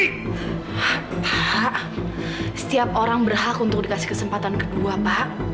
hahaha setiap orang berhak untuk dikasih kesempatan kedua pak